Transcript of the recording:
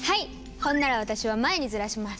ほんなら私は前にずらします！